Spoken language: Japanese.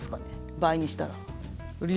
倍にしたら。